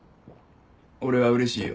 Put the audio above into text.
俺はうれしいよ。